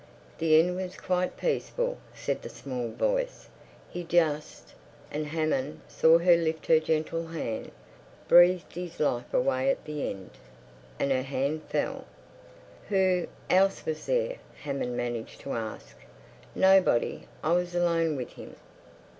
"The end was quite peaceful," said the small voice. "He just"—and Hammond saw her lift her gentle hand—"breathed his life away at the end." And her hand fell. "Who—else was there?" Hammond managed to ask. "Nobody. I was alone with him."